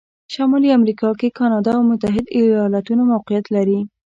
شمالي امریکا کې کانادا او متحتد ایالتونه موقعیت لري.